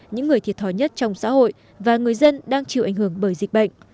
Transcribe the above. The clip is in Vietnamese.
những người thiệt thòi nhất trong xã hội và người dân đang chịu ảnh hưởng bởi dịch bệnh